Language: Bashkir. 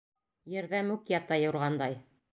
Ерҙә мүк ята юрғандай.